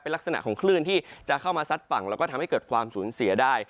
ลักษณะของคลื่นที่จะเข้ามาซัดฝั่งแล้วก็ทำให้เกิดความสูญเสียได้